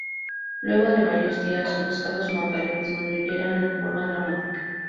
Luego de varios días los casos mortales disminuyeron en forma dramática.